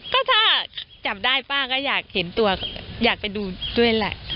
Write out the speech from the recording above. ก็ถ้าจับได้ป้าก็อยากเห็นตัวอยากไปดูด้วยแหละ